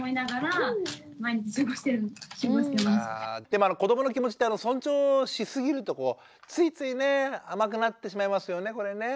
でも子どもの気持ちって尊重しすぎるとついついね甘くなってしまいますよねこれね。